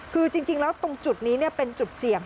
คือจริงแล้วตรงจุดนี้เป็นจุดเสี่ยง